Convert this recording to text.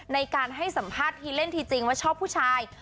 ในการให้สัมภาษณ์ทีเล่นทีจริงว่าชอบผู้ชาย